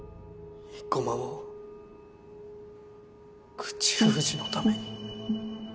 生駒を口封じのために。